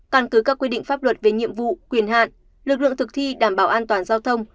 căn cứ các quy định pháp luật về nhiệm vụ quyền hạn lực lượng thực thi đảm bảo an toàn giao thông